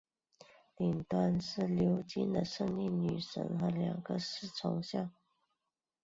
顶端是鎏金的胜利女神和两个侍从像。